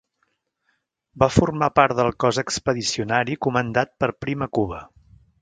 Va formar part del cos expedicionari comandat per Prim a Cuba.